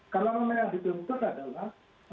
karena memang yang dibentuk adalah